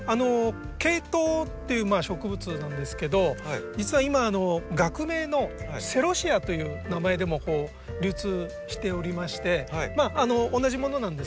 ケイトウっていう植物なんですけど実は今学名の「セロシア」という名前でも流通しておりまして同じものなんですけど。